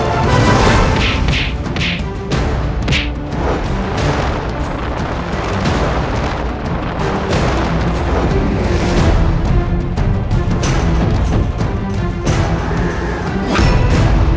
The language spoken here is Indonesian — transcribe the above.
hidup kutip prabu marta singa